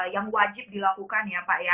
yang wajib dilakukan ya pak ya